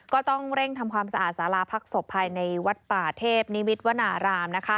ก็ต้องเร่งทำความสะอาดสาราพักศพภายในวัดป่าเทพนิวิทวนาราม